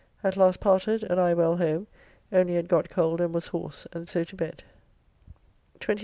At last parted, and I well home, only had got cold and was hoarse and so to bed. 27th.